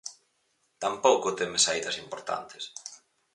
Tampouco teme saídas importantes.